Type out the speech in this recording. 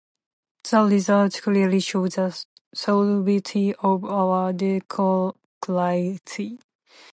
The results clearly show the solidity of our democracy.